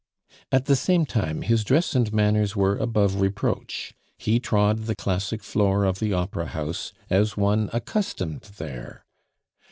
At the same time, his dress and manners were above reproach; he trod the classic floor of the opera house as one accustomed there.